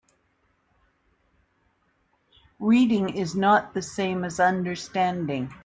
Reading is not the same as understanding.